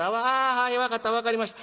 はい分かった分かりました。